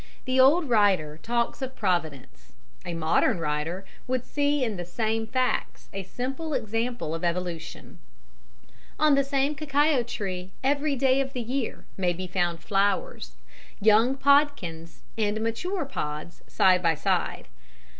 The old writer talks of providence; a modern writer would see in the same facts a simple example of evolution. On the same cacao tree every day of the year may be found flowers, young podkins and mature pods side by side.